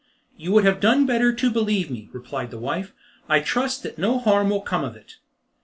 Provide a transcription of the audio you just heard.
"You would have done better to believe me," replied the wife. "I trust that no harm will come of it."